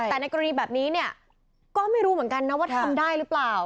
แต่ในกรณีแบบนี้เนี่ยก็ไม่รู้เหมือนกันนะว่าทำได้หรือเปล่า